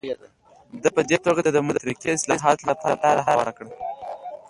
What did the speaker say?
ده په دې توګه د مترقي اصلاحاتو لپاره لاره هواره کړه.